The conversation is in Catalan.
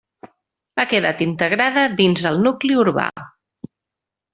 Ha quedat integrada dins el nucli urbà.